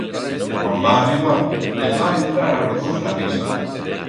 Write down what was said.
Cuan va arribar, les va entrar a las dos la risa.